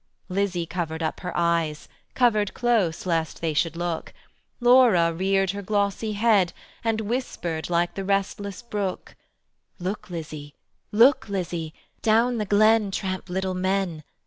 Lizzie covered up her eyes, Covered close lest they should look; Laura reared her glossy head, And whispered like the restless brook: "Look, Lizzie, look, Lizzie, Down the glen tramp little men.